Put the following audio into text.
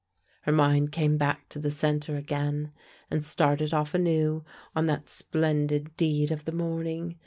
Her mind came back to the center again, and started off anew on that splendid deed of the morning.